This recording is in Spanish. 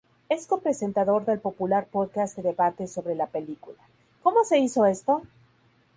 Es co-presentador del popular podcast de debate sobre la película "¿Cómo se hizo esto?